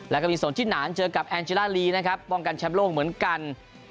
แล้วก็มีส่วนที่หนานเจอกับแอนจิลาลีนะครับป้องกันแชมป์โลกเหมือนกัน